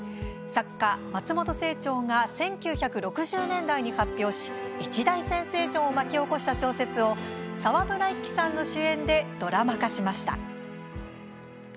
作家、松本清張が１９６０年代に発表し一大センセーションを巻き起こした小説を沢村一樹さんの主演でドラマ化しました。